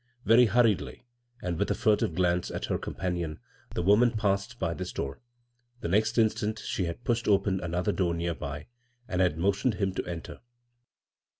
Very hurriedly, and with a furtive glance at her companion, the woman passed by this door. The next instant she had pushed open another door near by, and had motioned him to enter.